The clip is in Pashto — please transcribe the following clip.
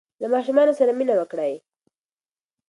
له ماشومانو سره مینه وکړئ.